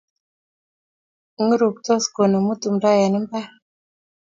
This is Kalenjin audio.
Nguruktos konemu tumto eng mbar